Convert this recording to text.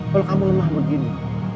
kalo kamu lemah begini